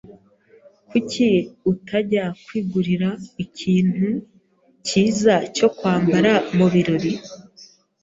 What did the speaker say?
Kuki utajya kwigurira ikintu cyiza cyo kwambara mubirori?